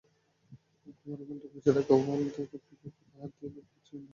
কোমরের বেল্টে গুঁজে রাখা ওয়ালথার পিপিকেটা হাত দিয়ে একবার ছুঁয়ে নেয় খেক্স।